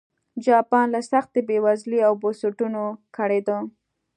جاپان له سختې بېوزلۍ او بنسټونو کړېده.